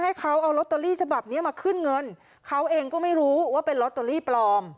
ให้เขาเอาลอตเตอรี่ฉบับเนี้ยมาขึ้นเงินเขาเองก็ไม่รู้ว่าเป็นลอตเตอรี่ปลอม